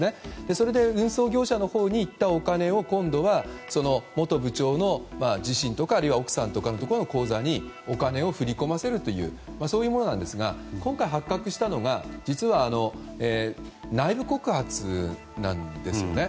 それで運送業者のほうに行ったお金を、今度は元部長とか自身の奥さんの口座にお金を振り込ませるというものなんですが今回発覚したのが実は内部告発なんですよね。